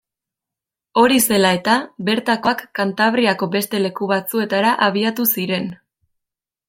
Hori zela eta, bertakoak Kantabriako beste leku batzuetara abiatu ziren.